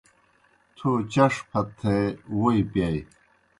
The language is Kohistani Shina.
تھو چݜ پھت تھے ووئی پِیائے۔